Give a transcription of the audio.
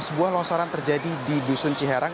sebuah longsoran terjadi di dusun ciharang